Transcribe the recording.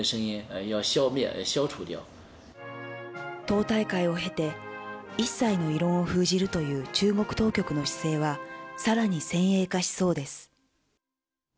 党大会を経て、一切の異論を封じるという中国当局の姿勢はさらに先鋭化しそうです。